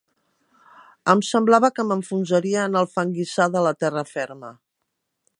Em semblava que m'enfonsaria en el fanguissar de la terra ferma.